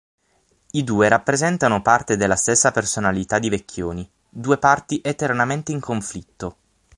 I due rappresentano parte della stessa personalità di Vecchioni, due parti eternamente in conflitto.